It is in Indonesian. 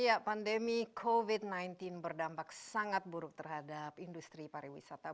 ya pandemi covid sembilan belas berdampak sangat buruk terhadap industri pariwisata